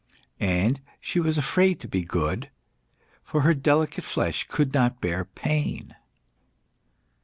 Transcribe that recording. And she was afraid to be good, for her delicate flesh could not bear pain.